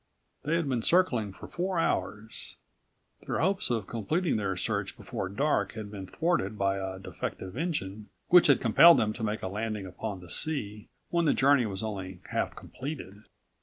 They had been circling for four hours. Their hopes of completing their search before dark had been thwarted by a defective engine which had compelled them to make a landing upon the sea when the journey was only half completed.